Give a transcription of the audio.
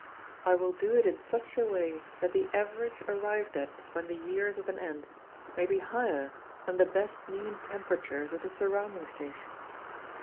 I will do it in such a way that the average arrived at when the year is at an end may be higher than the best mean temperatures of the surrounding stations.